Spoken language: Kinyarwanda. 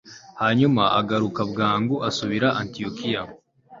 hanyuma ahaguruka bwangu asubira i antiyokiya